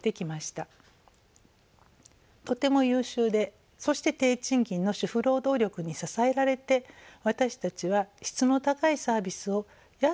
とても優秀でそして低賃金の主婦労働力に支えられて私たちは質の高いサービスを安く消費してきてきました。